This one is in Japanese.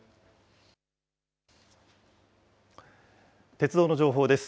鉄道の情報です。